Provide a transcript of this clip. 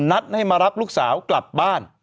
นัดให้มารับลูกสาวกลับบ้าน